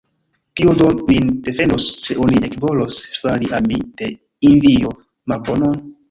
Kio do min defendos, se oni ekvolos fari al mi de envio malbonon?